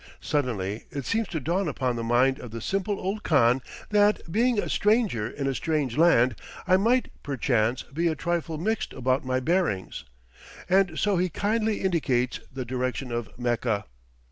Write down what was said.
Suddenly it seems to dawn upon the mind of the simple old Khan that, being a stranger in a strange land, I might, perchance, be a trifle mixed about my bearings, and so he kindly indicates the direction of Mecca.